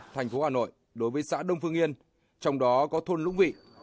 thành phố hà nội đối với xã đông phương yên trong đó có thôn lũng vị